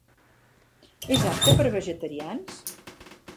És apte per a vegetarians?